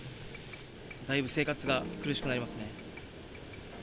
だいぶ生活が苦しくなりますね。